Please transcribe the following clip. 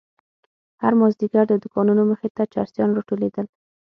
هر مازيگر د دوکانو مخې ته چرسيان راټولېدل.